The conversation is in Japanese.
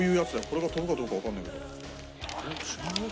これが飛ぶかどうかはわかんないけど。